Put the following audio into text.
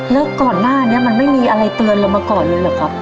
แล้วก่อนหน้านี้มันไม่มีอะไรเตือนเรามาก่อนเลยเหรอครับ